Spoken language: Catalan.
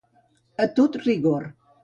A tot rigor.